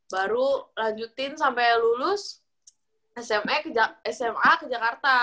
baru lanjutin sampe lulus sma ke jakarta